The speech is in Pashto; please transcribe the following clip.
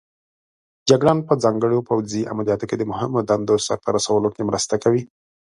جګړن په ځانګړو پوځي عملیاتو کې د مهمو دندو سرته رسولو کې مرسته کوي.